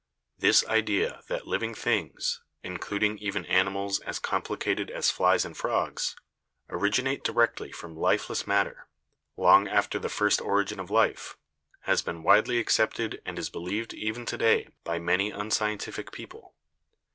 This idea that living things, including even animals as complicated as flies and frogs, originate directly from life less matter, long after the first origin of life, has been widely accepted and is believed even to day by many un scientific people.